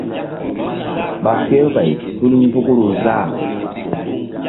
Ɓa kerɓay tul ndukru záh.